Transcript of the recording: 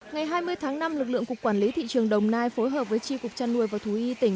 ngày hai mươi tháng năm lực lượng cục quản lý thị trường đồng nai phối hợp với tri cục trăn nuôi và thú y tỉnh